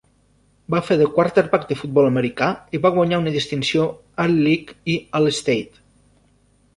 Va fer de quarterback de futbol americà i va guanyar una distinció All-League i All-State.